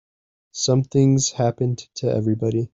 Something's happened to everybody.